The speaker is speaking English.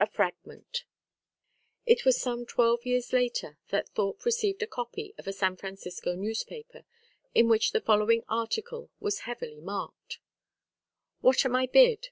A FRAGMENT It was some twelve years later that Thorpe received a copy of a San Francisco newspaper, in which the following article was heavily marked: WHAT AM I BID?